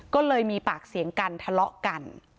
ก็เลยมีปากเสียงกันทะเลาะกัน